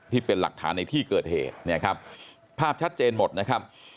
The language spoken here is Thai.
ที่เป็นหลักฐานในที่เกิดเหตุเนี่ยครับภาพชัดเจนหมดนะครับ